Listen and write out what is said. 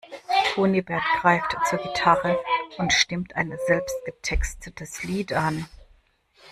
Kunibert greift zur Gitarre und stimmt ein selbst getextetes Lied an.